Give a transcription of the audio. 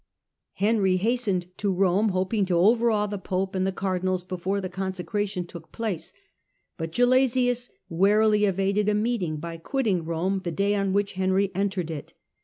Henry hastened to Rome, hoping to overawe the pope and the cardinals before the consecration took place. But Hia flight Gelasius warily evaded a meeting by quitting from Borne. Rome the day on which Henry entered it.